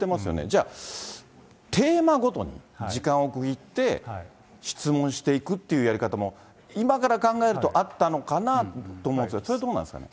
じゃあ、テーマごとに時間を区切って、質問していくっていうやり方も今から考えると、あったのかなと思うんですが、それどうなんですかね。